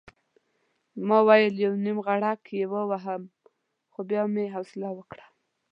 ما ویل یو نېغړک یې ووهم خو بیا مې حوصله وکړه.